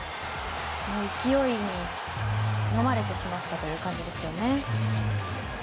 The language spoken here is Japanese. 勢いにのまれてしまったという感じですよね。